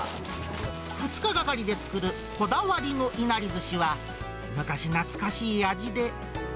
２日がかりで作るこだわりのいなりずしは、昔懐かしい味で。